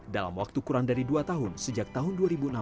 dalam waktu kurang dari dua tahun sejak tahun dua ribu enam belas